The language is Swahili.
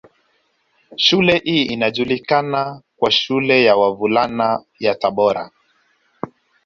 Shule hii inajulikana kwa shule ya Wavulana ya Tabora